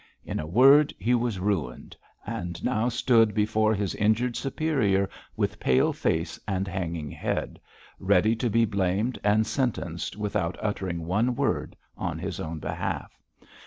In a word, he was ruined, and now stood before his injured superior with pale face and hanging head, ready to be blamed and sentenced without uttering one word on his own behalf.